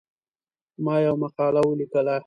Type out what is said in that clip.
ما یوه مقاله ولیکله.